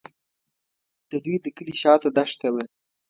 د دوی د کلي شاته دښته وه.